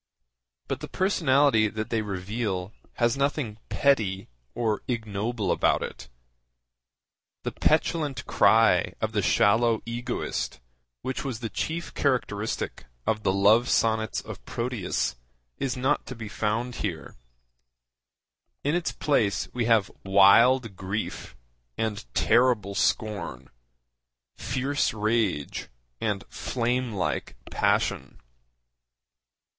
But the personality that they reveal has nothing petty or ignoble about it. The petulant cry of the shallow egoist which was the chief characteristic of the Love Sonnets of Proteus is not to be found here. In its place we have wild grief and terrible scorn, fierce rage and flame like passion.